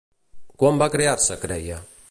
Quan va crear-se CREiA?